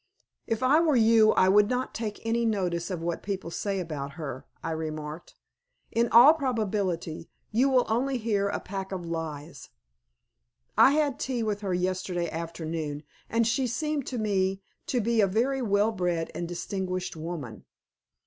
"If I were you I would not take any notice of what people say about her," I remarked. "In all probability you will only hear a pack of lies. I had tea with her yesterday afternoon, and she seemed to me to be a very well bred and distinguished woman."